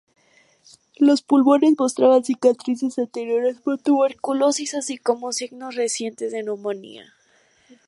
Los pulmones mostraban cicatrices anteriores por tuberculosis así como signos recientes de neumonía.